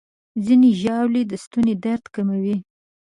ځینې ژاولې د ستوني درد کموي.